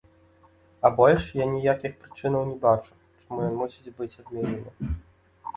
А больш я ніякіх прычынаў не бачу, чаму ён мусіць быць адменены.